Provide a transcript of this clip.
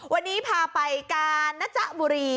วันนี้พาไปกาญจนบุรี